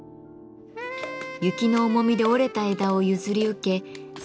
雪の重みで折れた枝を譲り受け染料にします。